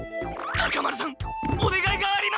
タカ丸さんおねがいがあります！